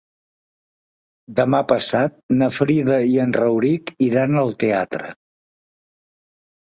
Demà passat na Frida i en Rauric iran al teatre.